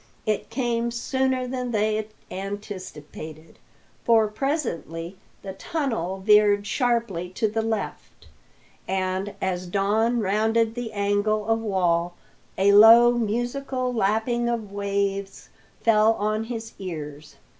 It came sooner than they anticipated, for presently the tunnel veered sharply to the left, and as Don rounded the angle of wall a low, musical lapping of waves fell on his ears.